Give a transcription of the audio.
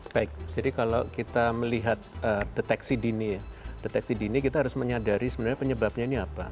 baik jadi kalau kita melihat deteksi dini kita harus menyadari sebenarnya penyebabnya ini apa